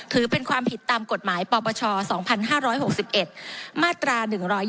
ถือเป็นความผิดตามกฎหมายปปช๒๕๖๑มาตรา๑๒